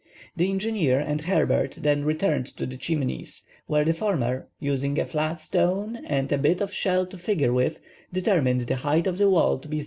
The engineer and Herbert then returned to the Chimneys, where the former, using a flat stone and a bit of shell to figure with, determined the height of the wall to be 333.